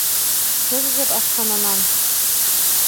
Сығығыҙ ашхананан!